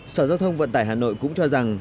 sở giao thông vận tải hà nội cũng cho rằng